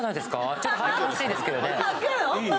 ちょっとはいてほしいですけどねいい？